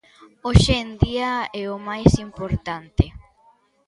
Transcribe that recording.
Hoxe en día é o máis importante.